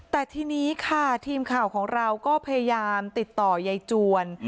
แต่ทีนี้ค่ะทีมข่าวของเราก็พยายามติดต่อยายจวน